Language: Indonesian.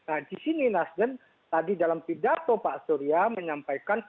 nah di sini nasdem tadi dalam pidato pak surya menyampaikan